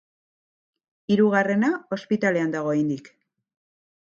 Hirugarrena ospitalean dago oraindik.